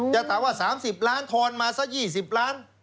อยากถามว่าสามสิบล้านทอนมาซะยี่สิบล้าน